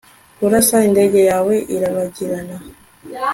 kurasa indege yawe irabagirana